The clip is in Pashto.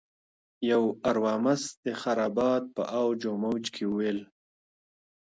• یو اروامست د خرابات په اوج و موج کي ویل.